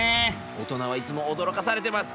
大人はいつもおどろかされてます。